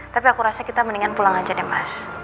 tapi aku rasa kita mendingan pulang aja deh mas